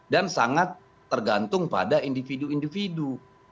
dan sangat tergantung pada individu individu